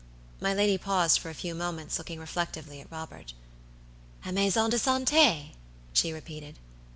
My lady paused for a few moments, looking reflectively at Robert. "A maison de santé," she repeated.